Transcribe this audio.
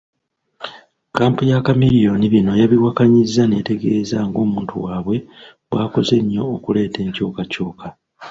Kkampu ya Chameleone bino yabiwakanyizza n'etegeeza ng'omuntu waabwe bw'akoze ennyo okuleeta enkyukakyuka.